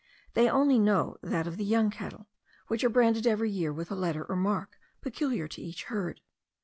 They only know that of the young cattle, which are branded every year with a letter or mark peculiar to each herd.